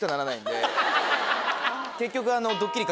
結局。